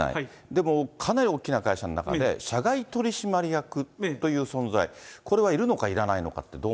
でも、かなり大きな会社の中で、社外取締役という存在、これはいるのか、いらないのかっ